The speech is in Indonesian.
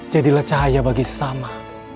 jadilah cahaya bagi sesama